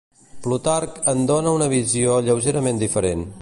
Plutarc en dóna una versió lleugerament diferent.